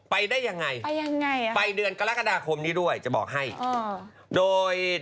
ไปได้อย่างไรไปเดือนกรกฎาคมนี้ด้วยจะบอกให้ไปอย่างไร